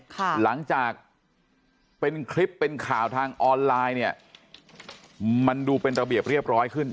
หลังจากเป็นคลิปเป็นข่าวทางออนไลน์เนี่ยมันดูเป็นระเบียบเรียบร้อยขึ้น